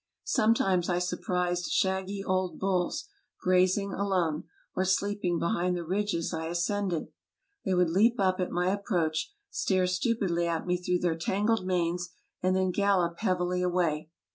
Sometimes I surprised shaggy old bulls grazing alone, or sleeping behind the ridges I ascended. They would leap up at my approach, stare stupidly at me through their tangled manes, and then gallop heavily away.